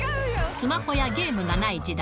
スマホやゲームがない時代。